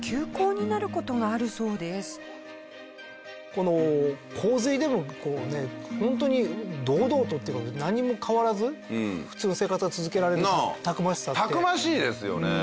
この洪水でもこうねホントに堂々とっていうか何も変わらず普通の生活が続けられるたくましさ。